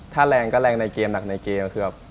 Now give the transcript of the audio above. ถ้าแรงก็แรงในเกมหนักในเกมคือ